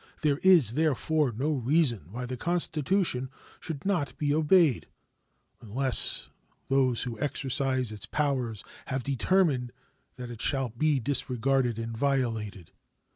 There is therefore no reason why the Constitution should not be obeyed, unless those who exercise its powers have determined that it shall be disregarded and violated.